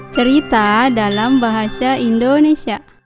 cerita dalam bahasa indonesia